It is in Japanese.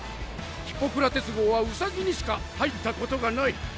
ヒポクラテス号はウサギにしか入ったことがない。